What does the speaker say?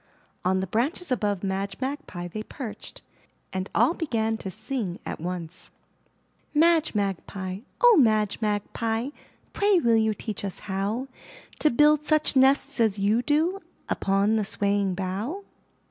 On the branches above Madge Magpie they perched, and all began to sing at once: 171 MY BOOK HOUSE '*Madge Magpie! Oh, Madge Magpie, Pray will you teach us how To build such nests as you do Upon the swaying bough?